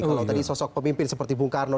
kalau tadi sosok pemimpin seperti bung karno